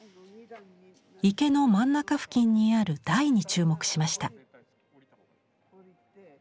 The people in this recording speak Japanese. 池の真ん中付近にある台に注目しました。